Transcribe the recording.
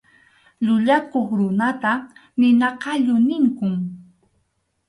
Llullakuq runata nina qallu ninkum.